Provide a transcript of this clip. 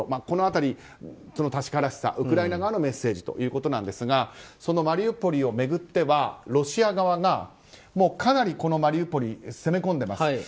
この辺り、確からしさウクライナ側のメッセージということなんですがそのマリウポリを巡ってはロシア側がかなりこのマリウポリ攻め込んでます。